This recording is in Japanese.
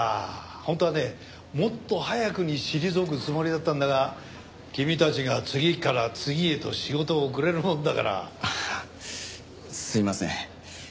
本当はねもっと早くに退くつもりだったんだが君たちが次から次へと仕事をくれるもんだから。ああすいません。